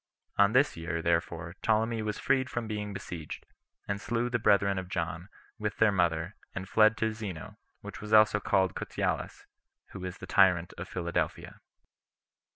On this year, therefore, Ptolemy was freed from being besieged, and slew the brethren of John, with their mother, and fled to Zeno, who was also called Cotylas, who was tyrant of Philadelphia.